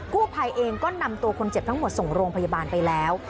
กู้ภัยเองก็นำตัวคนเจ็บทั้งหมดส่งโรงพยาบาลไปแล้ว